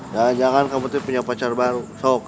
jangan jangan kamu tuh punya pacar baru sok